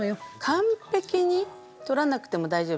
完璧に取らなくても大丈夫。